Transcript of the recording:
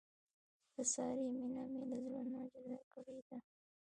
د سارې مینه مې له زړه نه جدا کړې ده.